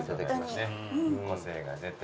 個性が出て。